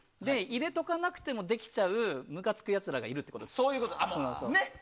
入れておかなくてもできちゃうムカつくやつらがいるってことです。